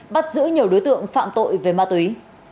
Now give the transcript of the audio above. bắt giữ nhiều đối tượng phạm tội về ma túy